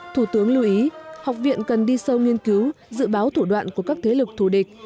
thủ tướng lưu ý học viện cần đi sâu nghiên cứu dự báo thủ đoạn của các thế lực thù địch